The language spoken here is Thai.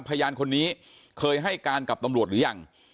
พยานคนนี้เคยให้การกับตำรวจหรือยัง